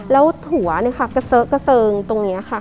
แล้วถั่วกระเซอะกระเซิงตรงนี้ค่ะ